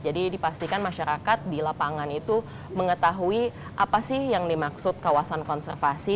jadi dipastikan masyarakat di lapangan itu mengetahui apa sih yang dimaksud kawasan konservasi